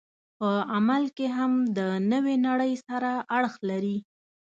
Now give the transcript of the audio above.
په عمل کې هم د نوې نړۍ سره اړخ لري.